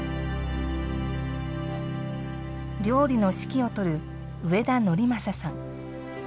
料理の指揮を執る、上田倫正さん。